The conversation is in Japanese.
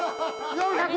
４００。